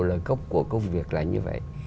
là gốc của công việc là như vậy